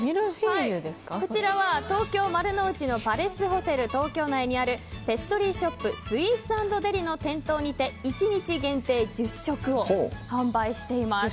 こちらは東京・丸の内のパレスホテル東京内にあるペストリーショップスイーツ＆デリの店頭にて１日限定１０食を販売しています。